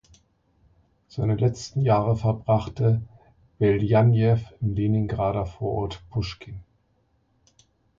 Seine letzten Jahre verbrachte Beljajew im Leningrader Vorort Puschkin.